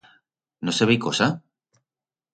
No se vei cosa?